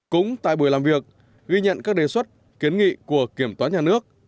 cũng tại buổi làm việc ghi nhận các đề xuất kiến nghị của kiểm toán nhà nước